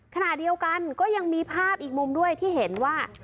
ขณะเดียวกันก็ยังมีภาพอีกมุมด้วยที่เห็นว่า